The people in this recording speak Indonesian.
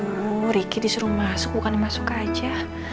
aduh riki disuruh masuk bukan masuk aja